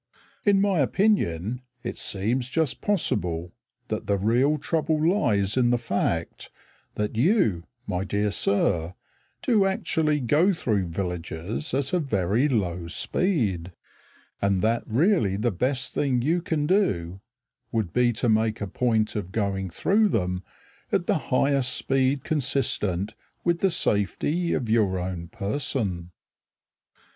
In my opinion it seems just possible That the real trouble lies in the fact That you, my dear sir, do actually Go through villages at a very low speed, And that really the best thing you can do Would be to make a point of going through them At the highest speed consistent With the safety of your own person.